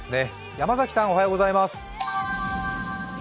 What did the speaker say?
山崎さん、おはようございます。